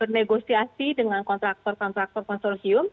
bernegosiasi dengan kontraktor kontraktor konsorsium